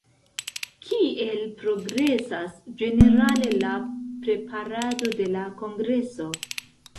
Kiel progresas ĝenerale la preparado de la kongreso?